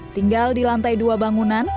tinggal di lantai dua bangunan